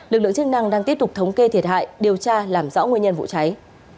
lực lượng chức năng đang tiếp tục thống kê thiệt hại điều tra làm rõ nguyên nhân vụ cháy